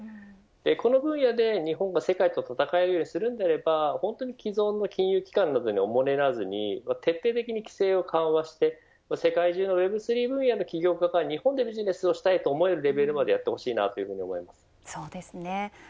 この分野で日本が世界と戦えるようにするのであれば既存の金融機関などにおもねらずに徹底的に規制を緩和してＷｅｂ３分野の企業家たちから日本で起業ビジネスをしたいと思えるレベルにまでしてほしいです。